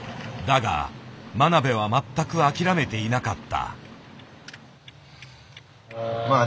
だが真鍋は全く諦めていなかった。